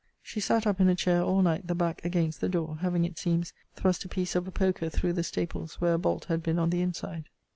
She sat up in a chair all night, the back against the door; having, it seems, thrust a piece of a poker through the staples where a bolt had been on the inside.